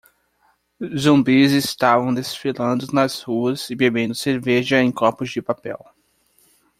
Zumbis estavam desfilando nas ruas e bebendo cerveja em copos de papel.